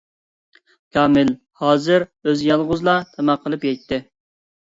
كامىل ھازىر ئۆزى يالغۇزلا تاماق قىلىپ يەيتتى.